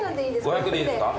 ５００でいいですか？